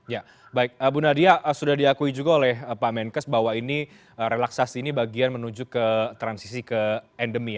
ya baik bu nadia sudah diakui juga oleh pak menkes bahwa ini relaksasi ini bagian menuju ke transisi ke endemi